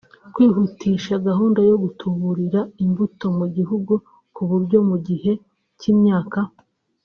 Kwihutisha gahunda yo gutuburira imbuto mu Gihugu ku buryo mu gihe cy’imyaka